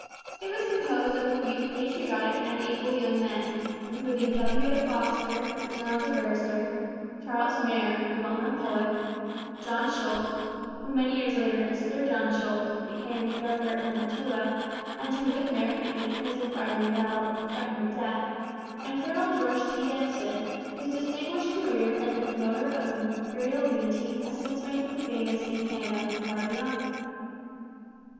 It was composed of a few patriotic and able young men, including W. A. Foster, a Toronto barrister; Charles Mair, the well known poet; John Schultz, who many years later, as Sir John Schultz, became governor of Manitoba, and who with Mair had been imprisoned by Riel and threatened with death; and Colonel George T. Denison, whose distinguished career as the promoter of Imperial unity has since made him famous in Canada and far beyond it.